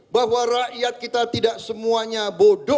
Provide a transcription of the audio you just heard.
bahwa rakyat kita tidak semuanya bodoh